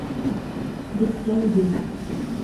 They still do.